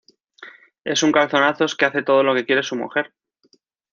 Es un calzonazos que hace todo lo que quiere su mujer